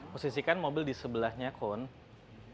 posisikan mobil di sebelahnya cone